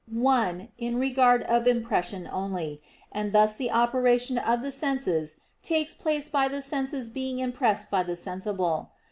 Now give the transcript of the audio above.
One, in regard of impression only, and thus the operation of the senses takes place by the senses being impressed by the sensible.